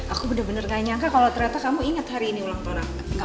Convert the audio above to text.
aku bener bener gak nyangka kalo ternyata kamu inget hari ini ulang tahun aku